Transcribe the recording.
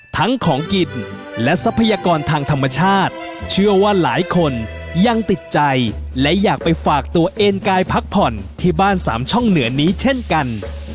ทั้งของกินและทรัพยากรทางธรรมชาติเชื่อว่าหลายคนยังติดใจและอยากไปฝากตัวเองกายพักผ่อนที่บ้านสามช่องเหนือนี้เช่นกัน